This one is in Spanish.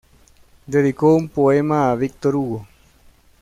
Dedicó un poema a Victor Hugo.